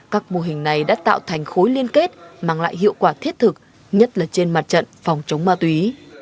các mô hình này đã tạo thành khối liên kết mang lại hiệu quả thiết thực nhất là trên mặt trận phòng chống ma túy